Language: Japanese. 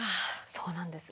そうなんです。